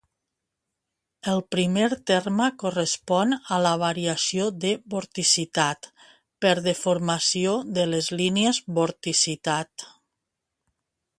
El primer terme correspon a la variació de vorticitat per deformació de les línies vorticitat.